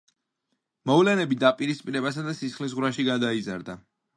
მოვლენები დაპირისპირებასა და სისხლისღვრაში გადაიზარდა.